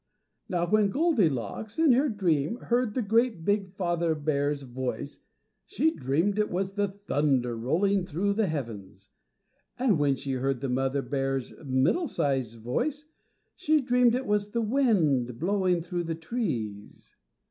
_" Now when Goldilocks in her dreams heard the great big father bear's voice she dreamed it was the thunder rolling through the heavens. And when she heard the mother bear's middle sized voice she dreamed it was the wind blowing through the trees.